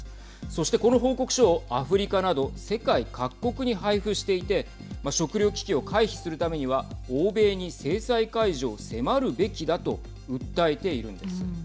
そして、この報告書をアフリカなど世界各国に配布していて食料危機を回避するためには欧米に制裁解除を迫るべきだと訴えているんです。